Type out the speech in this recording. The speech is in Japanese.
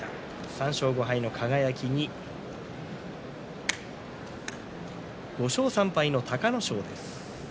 ３勝５敗の輝に５勝３敗の隆の勝です。